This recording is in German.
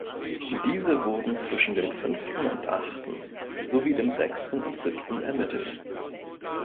Diese wurden zwischen dem Fünften und Achten sowie dem Sechsten und Siebten ermittelt.